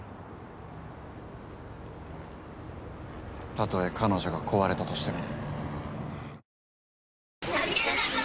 たとえ彼女が壊れたとしても。